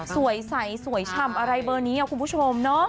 สวยใสสวยฉ่ำอะไรเบอร์นี้คุณผู้ชมเนาะ